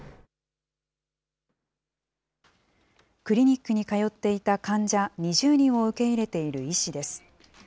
クリニックに通っていた患者２０人を受け入れている医師です。